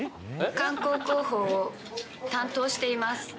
観光広報を担当しています。